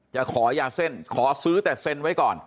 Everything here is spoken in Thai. จะขอยาเส้นขอซื้อแต่เซ็นไว้ก่อน